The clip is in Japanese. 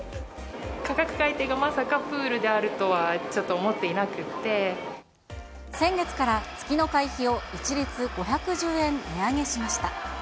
価格改定がまさかプールであ先月から、月の会費を一律５１０円値上げしました。